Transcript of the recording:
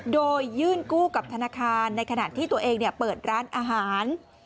โดยยื่นกู้กับธนาคารในขณะที่ตัวเองเปิดร้านอาหาร